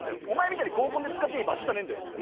お前みたいに合コンで使っていい場所じゃねんだよ